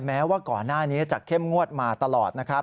แม้ว่าก่อนหน้านี้จะเข้มงวดมาตลอดนะครับ